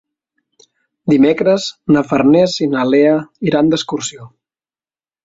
Dimecres na Farners i na Lea iran d'excursió.